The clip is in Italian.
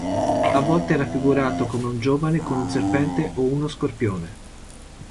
A volte è raffigurato come un giovane con un serpente o uno scorpione.